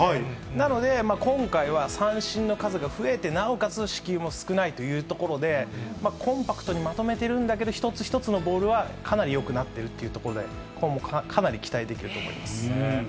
なので、今回は三振の数が増えて、なおかつ四球も少ないというところで、コンパクトにまとめてるんだけど、一つ一つのボールはかなりよくなってるっていうところで、これはもう、かなり期待できると思います。